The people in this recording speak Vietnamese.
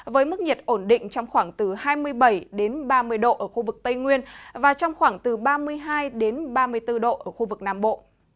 với mức nhiệt ổn định trong khoảng từ hai mươi bảy ba mươi độ ở khu vực tây nguyên và trong khoảng từ ba mươi hai ba mươi bốn độ ở khu vực nam bộ